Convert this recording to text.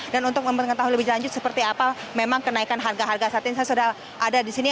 untuk mengetahui lebih lanjut seperti apa memang kenaikan harga harga saat ini saya sudah ada di sini